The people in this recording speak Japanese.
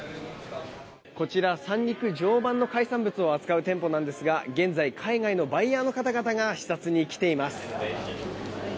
こちら三陸・常磐の海産物を扱う店舗ですが現在、海外のバイヤーの方々が視察に来ています。